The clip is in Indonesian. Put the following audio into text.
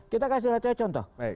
kita kasih contoh